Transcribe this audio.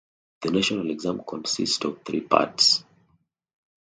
The National Exam consists of three parts.